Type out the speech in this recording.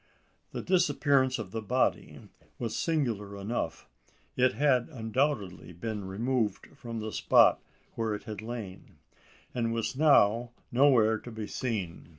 The disappearance of the body was singular enough. It had undoubtedly been removed from the spot where it had lain; and was now nowhere to be seen!